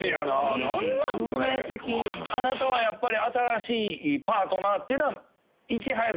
あなたはやっぱり。